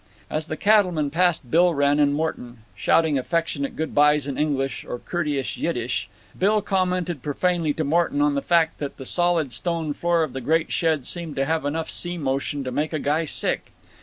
As the cattlemen passed Bill Wrenn and Morton, shouting affectionate good bys in English or courteous Yiddish, Bill commented profanely to Morton on the fact that the solid stone floor of the great shed seemed to have enough sea motion to "make a guy sick."